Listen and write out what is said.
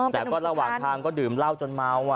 แต่ก็ระหว่างทางก็ดื่มเหล้าจนเมา